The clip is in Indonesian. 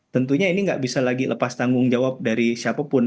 tentunya ini nggak bisa lagi lepas tanggung jawab dari siapapun